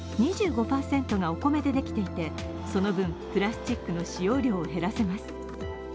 ２５％がお米でできていてその分、プラスチックの使用量を減らせます。